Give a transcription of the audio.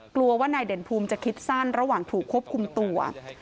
กลัวว่านายเด่นภูมิจะคิดสั้นระหว่างถูกควบคุมตัว